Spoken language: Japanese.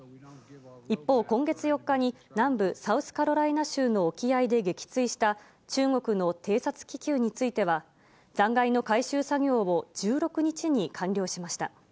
一方、今月４日に南部サウスカロライナ州の沖合で撃墜した中国の偵察気球については、残骸の回収作業を１６日に完了しました。